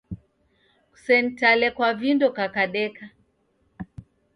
Kusenitale kwa vindo kekedeka